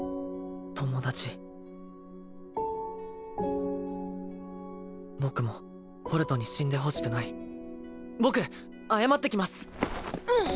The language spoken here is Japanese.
友達僕もホルトに死んでほしくない僕謝ってきます